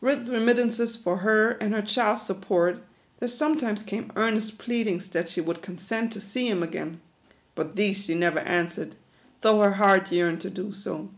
With remittances for her and her child's sup port, there sometimes came earnest pleadings that she would consent to see him again ; but these she never answered, though her heart yearned to do so.